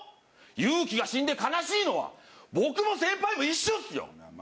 ユウキが死んで悲しいのは僕も先輩も一緒ですよ。